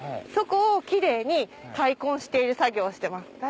そこをキレイに開墾している作業をしてます。